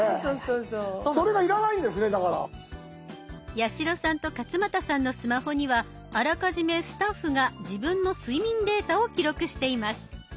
八代さんと勝俣さんのスマホにはあらかじめスタッフが自分の睡眠データを記録しています。